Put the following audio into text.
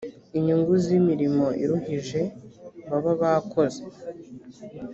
inyungu z’imirimo iruhije baba bakoze